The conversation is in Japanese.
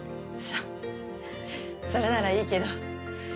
そうそれならいいけど。